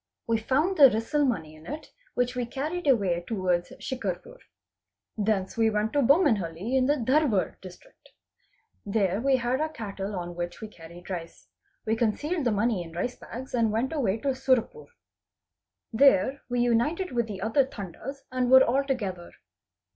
We found the risal money in it, which we carried away towards Shicarpur. Thence we went to Bommanhalli in the Dharwar District. There we had our _ cattle on which we carried rice. We concealed the money in rice bags + and went away to Surapur. There we united with the other Tandas and _ were all together.